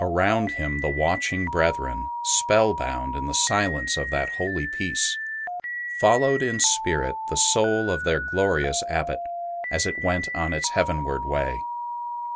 Around him the watching brethren, spell bound in the silence of that holy peace, followed in spirit the soul of their glorious Abbot as it went on its heavenward way.